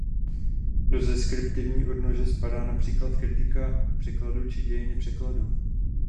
Do deskriptivní odnože spadá například kritika překladu či dějiny překladu.